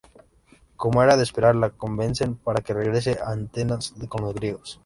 Como era de esperar, la convencen para que regrese a Atenas con los griegos.